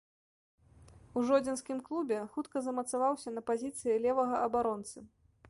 У жодзінскім клубе хутка замацаваўся на пазіцыі левага абаронцы.